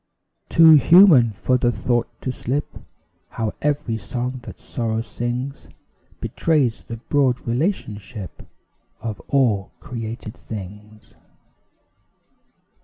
Too human for the thought to slip How every song that sorrow sings Betrays the broad relationship Of all created things.